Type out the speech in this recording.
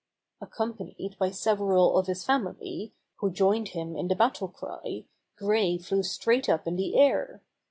Accompanied by several of his family, who joined him in the battlecry, Gray flew straight up in the air.